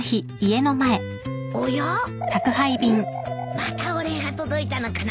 またお礼が届いたのかな？